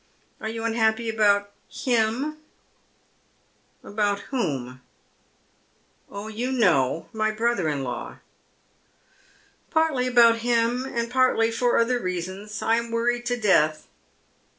Are you unhappy about him ?"" About whom ?"" Oh, you know ; my brother in law." " Partly about him and partly for other reasons. I am worried to death."